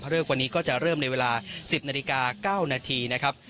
พระเลิกวันนี้ก็จะเริ่มในเวลาสิบนาฏกา๙นาทีนะครับ